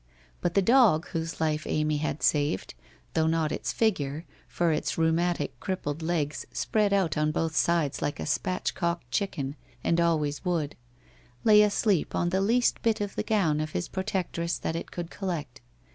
But the dog whose life Amy had saved — though not its figure, for its rheumatic crippled legs spread out on both sides like a spatch cocked chicken and always would — lay asleep on the least bit of the gown of his protectress that it could collect.